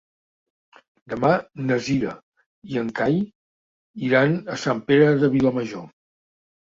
Demà na Cira i en Cai iran a Sant Pere de Vilamajor.